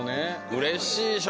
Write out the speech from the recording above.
うれしいっしょ？